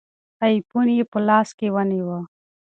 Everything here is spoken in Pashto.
آیفون یې په لاس کې ونیوه.